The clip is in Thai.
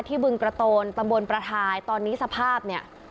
บึงประโตนตำบลประทายตอนนี้สภาพเนี่ย